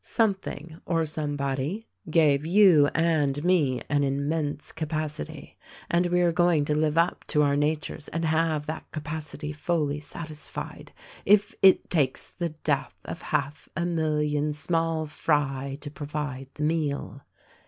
"Something, or Somebody, gave you and me an immense capacity ; and we are going to live up to our natures and have that capacity fully satisfied, if it takes the death of h alf a mil lion small fry to provide the meal.